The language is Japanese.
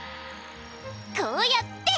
こうやって！